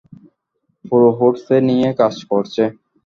পুরো ফোর্স এ নিয়ে কাজ করছে।